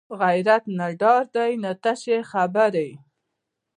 غیرت نه ډار دی نه تشه خبرې